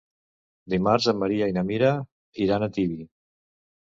Dimarts en Maria i na Mira iran a Tibi.